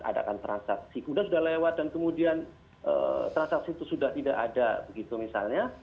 adakan transaksi kemudian sudah lewat dan kemudian transaksi itu sudah tidak ada begitu misalnya